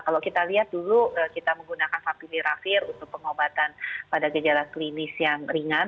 kalau kita lihat dulu kita menggunakan vapineravir untuk pengobatan pada gejala klinis yang ringan